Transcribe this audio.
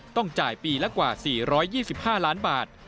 ต้องจ่ายปีละกว่า๔๒๕ล้านบาท